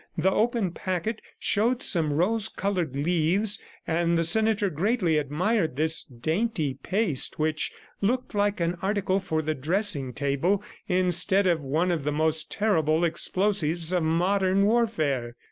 The open packet showed some rose colored leaves, and the senator greatly admired this dainty paste which looked like an article for the dressing table instead of one of the most terrible explosives of modern warfare.